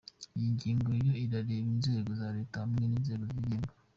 Iyi ngingo ngo irareba inzego za Leta hamwe n’inzego zigenga.